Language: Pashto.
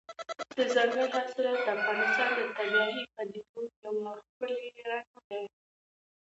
دځنګل حاصلات د افغانستان د طبیعي پدیدو یو ښکلی رنګ دی.